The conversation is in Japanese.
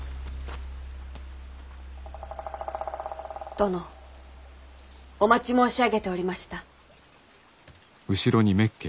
殿お待ち申し上げておりました。